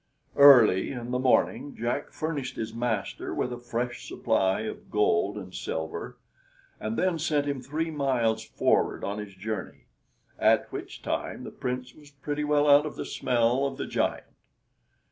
Early in the morning Jack furnished his master with a fresh supply of gold and silver, and then sent him three miles forward on his journey, at which time the Prince was pretty well out of the smell of the giant.